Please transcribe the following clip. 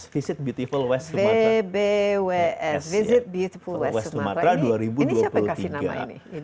visit beautiful west sumatra ini siapa yang kasih nama ini